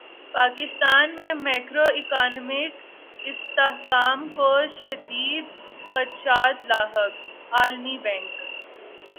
پاکستان میں macro economic استحکام کو شدید خدشات لاحق عالمی بینک